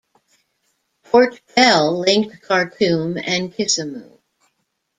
Port Bell linked Khartoum and Kisumu.